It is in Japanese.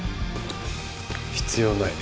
必要ない